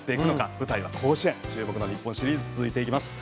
舞台は甲子園注目の日本シリーズ続いていきます。